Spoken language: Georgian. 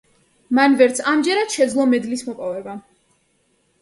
მან ვერც ამჯერად შეძლო მედლის მოპოვება.